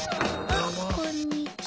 あこんにちは。